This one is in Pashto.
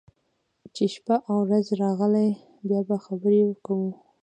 چې شپه او رځې راغلې، بیا به خبرې کوو.